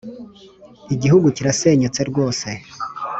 igihugu kirasenyutse rwose,